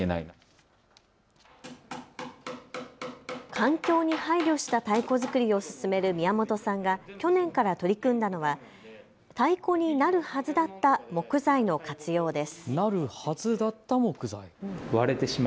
環境に配慮した太鼓作りを進める宮本さんが去年から取り組んだのは太鼓になるはずだった木材の活用です。